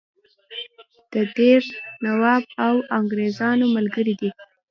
د دیر نواب د انګرېزانو ملګری دی.